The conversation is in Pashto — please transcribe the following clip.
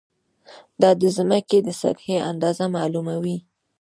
دا د ځمکې د سطحې اندازه معلوموي.